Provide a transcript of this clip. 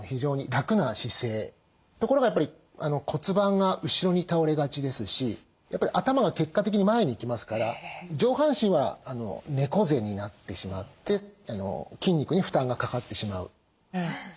ところがやっぱり骨盤が後ろに倒れがちですしやっぱり頭が結果的に前にいきますから上半身は猫背になってしまって筋肉に負担がかかってしまう。